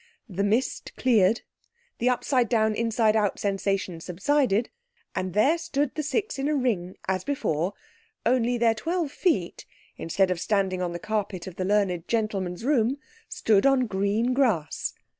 The mist cleared, the upside down, inside out sensation subsided, and there stood the six in a ring, as before, only their twelve feet, instead of standing on the carpet of the learned gentleman's room, stood on green grass.